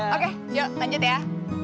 oke yuk lanjut ya